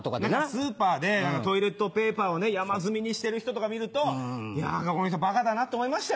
スーパーでトイレットペーパーを山積みにしてる人とか見るとこの人バカだなって思いました。